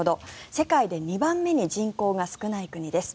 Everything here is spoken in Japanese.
世界で２番目に人口が少ない国です。